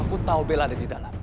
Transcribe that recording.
aku tau bella ada di dalam